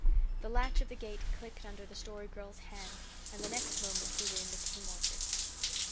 The latch of the gate clicked under the Story Girl's hand, and the next moment we were in the King orchard.